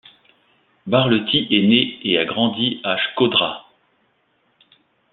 Barleti est né et a grandi à Shkodra.